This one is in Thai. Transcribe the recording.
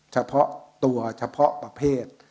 เฉพาะตัวเฉพาะประเภท